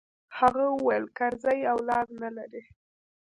هغه وويل کرزى اولاد نه لري.